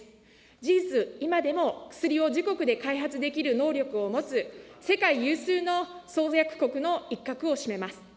事実、今でも薬を自国で開発できる能力を持つ、世界有数の創薬国の一角を占めます。